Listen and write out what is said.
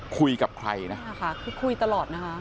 คุยกับใครนะฮะคุยตลอดนะฮะ